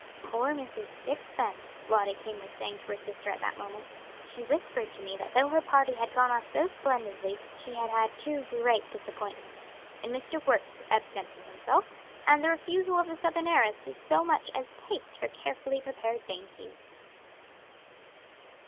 "Poor Mrs. Sixpence," Lottie King was saying to her sister at that moment, "she whispered to me that though her party had gone off so splendidly, she had had two great disappointments, in Mr. Wert's absenting himself, and the refusal of the Southern heiress to so much as taste her carefully prepared dainties."